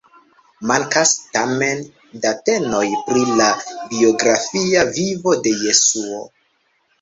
Mankas, tamen, datenoj pri la biografia vivo de Jesuo.